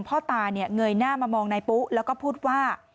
พ่อตาเนี่ยเงยหน้ามามองนายปุ๊แล้วก็พูดว่า